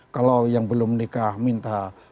kalau yang belum nikah minta